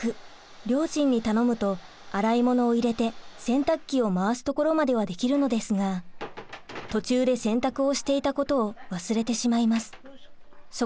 両親に頼むと洗い物を入れて洗濯機を回すところまではできるのですが途中で洗濯をしていたことを忘れてしまいます。